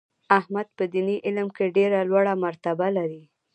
احمد په دیني علم کې ډېره لوړه مرتبه لري.